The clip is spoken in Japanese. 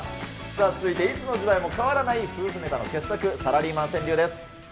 さあ続いて、いつの時代も変わらない夫婦ネタの傑作、サラリーマン川柳です。